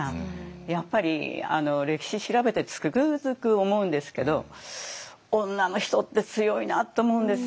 やっぱり歴史調べてつくづく思うんですけど女の人って強いなって思うんですよ。